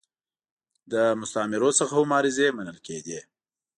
له مستعمرو څخه هم عریضې منل کېدې.